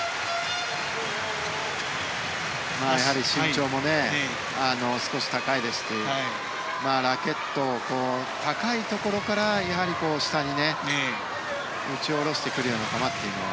身長も少し高いですしラケットを高いところから下に打ち下ろしてくるような球は